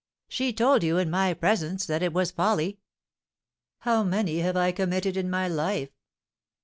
"She told you, in my presence, that it was a folly." "How many have I committed in my life?"